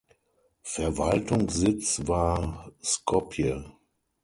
Verwaltungssitz war Skopje.